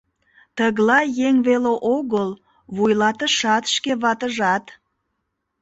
Тыглай еҥ веле огыл, вуйлатышат, шке ватыжат.